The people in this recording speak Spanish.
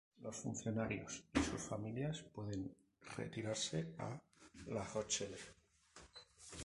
Los funcionarios y sus familias pueden retirarse a La Rochelle.